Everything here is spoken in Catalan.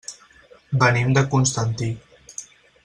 Venim de Constantí.